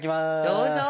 どうぞ。